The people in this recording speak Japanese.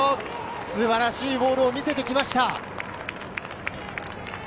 素晴らしいボールを見せてきました。